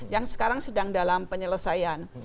yang sekarang sedang dalam penyelesaian